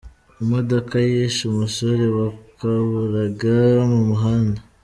Imodoka yishe umusore wakaburaga mu muhanda